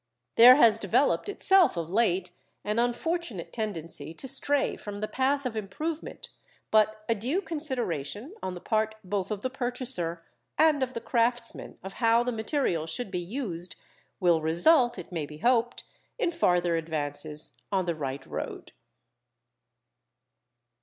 There has developed itself of late an unfortunate tendency to stray from the path of improvement, but a due consideration on the part both of the purchaser and of the craftsman of how the material should be used will result, it may be hoped, in farther advances on the right road.